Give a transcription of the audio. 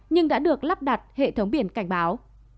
nhưng đã được lắp đặt hệ thống biển cảnh báo